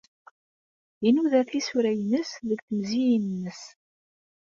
Inuda tisura-nnes deg temziyin-nnes.